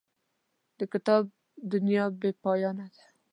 د کتاب دنیا بې پایانه ده.